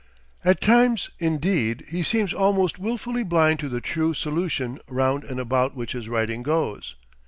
At times, indeed, he seems almost wilfully blind to the true solution round and about which his writing goes.